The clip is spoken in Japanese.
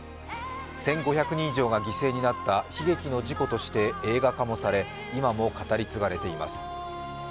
１５００人以上が犠牲になった悲劇の事故として映画化もされ、今も語り継がれています。